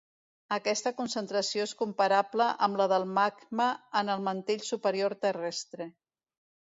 Aquesta concentració és comparable amb la del magma en el mantell superior terrestre.